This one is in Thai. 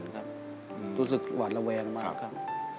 ครับรู้สึกหวาดระแวงมากครับ